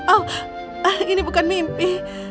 oh ini bukan mimpi